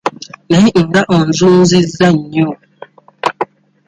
Naye nga onzunzizza nnyo.